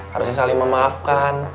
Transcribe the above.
harusnya saling memaafkan